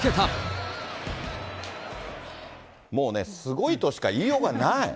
もうね、すごいとしか言いようがない。